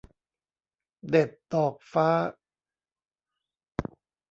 เด็ดดอกฟ้า